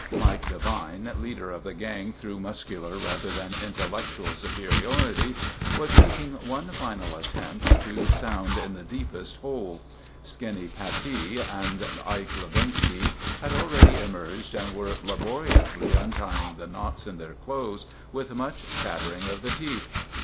Mike Devine, leader of the gang through muscular rather than intellectual superiority, was making one final attempt to sound in the deepest hole. Skinny Pattee and Ike Levinsky had already emerged and were laboriously untying the knots in their clothes, with much chattering of the teeth.